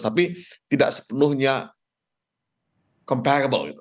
tapi tidak sepenuhnya berbanding tidak berbanding juga